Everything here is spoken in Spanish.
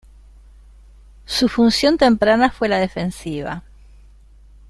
Su función temprana fue la defensiva.